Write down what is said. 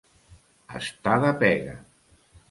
Estar de pega.